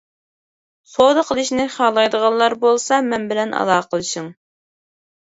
سودا قىلىشنى خالايدىغانلار بولسا مەن ئالاقىلىشىڭ.